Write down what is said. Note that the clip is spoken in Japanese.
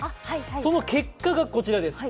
その結果がこちらです。